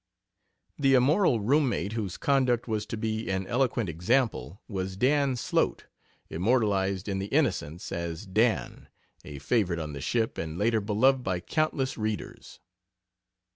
The "immoral" room mate whose conduct was to be an "eloquent example" was Dan Slote, immortalized in the Innocents as "Dan" a favorite on the ship, and later beloved by countless readers.